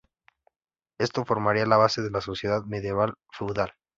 Esto formaría la base de la sociedad medieval feudal.